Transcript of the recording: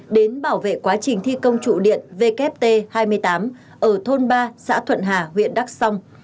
đến bảo vệ quá trình thi công trụ điện wt hai mươi tám ở thôn ba xã thuận hà huyện đắk song